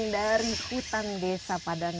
dari hutan desa padang